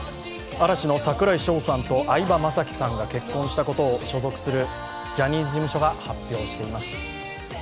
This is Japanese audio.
嵐の櫻井翔さんと相葉雅紀さんが結婚したことを所属するジャニーズ事務所が発表しています。